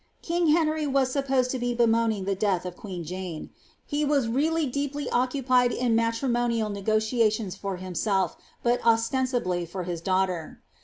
King Henn* was i«iippo8ed to be bemoaning the death of queen Jane; he was reallv deeply occupied in matrimonial negotiations' for himself, bat ostensibly for his daughter.